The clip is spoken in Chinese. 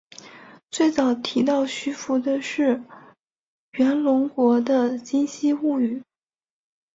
最早提到徐福的是源隆国的今昔物语。